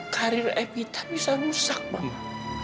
karir epita bisa rusak mama